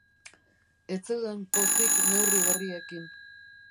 Ez zeuden pozik neurri berriekin.